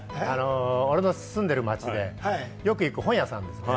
俺の住んでる街で、よく行く本屋さんですね。